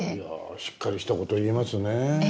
しっかりしたことを言いますねぇ。